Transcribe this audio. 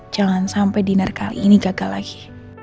jangan sampai dinner kali ini gagal lagi